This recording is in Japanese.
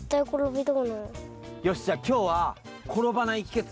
よしじゃあきょうはころばないひけつ